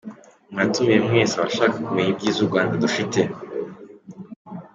Muratumiwe mwese abashaka kumenya ibyiza u Rwanda dufite.